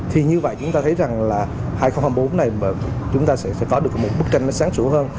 thì như vậy chúng ta thấy rằng là hai nghìn hai mươi bốn này chúng ta sẽ có được một bức tranh sáng sủ hơn